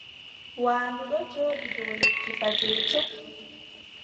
Waandu ɗo jooɗi dow lekki fajiri cup.